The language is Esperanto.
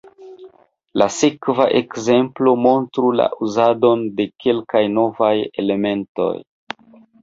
La sekva ekzemplo montru la uzadon de kelkaj novaj elementoj.